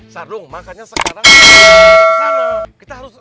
sardung makanya sekarang kita harus ke sana